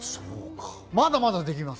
まだまだできます。